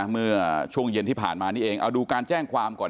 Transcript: เมื่อช่วงเย็นที่ผ่านมานี่เองเอาดูการแจ้งความก่อน